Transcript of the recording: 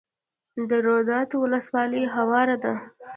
د روداتو ولسوالۍ هواره ده